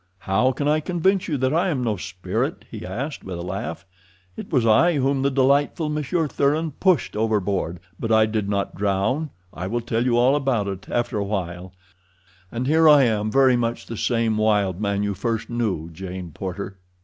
"How can I convince you that I am no spirit?" he asked, with a laugh. "It was I whom the delightful Monsieur Thuran pushed overboard, but I did not drown—I will tell you all about it after a while—and here I am very much the same wild man you first knew, Jane Porter."